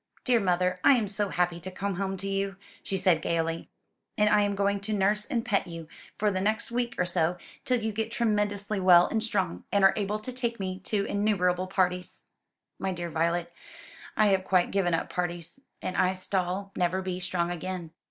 "Dear mother, I am so happy to come home to you," she said gaily; "and I am going to nurse and pet you, for the next week or so; till you get tremendously well and strong, and are able to take me to innumerable parties." "My dear Violet, I have quite given up parties; and I shall never be strong again."